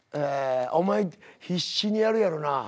お前必死にやるやろな。